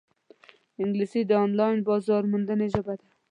انګلیسي د آنلاین بازارموندنې ژبه ده